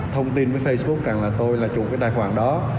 thông tin với facebook rằng là tôi là chủ cái tài khoản đó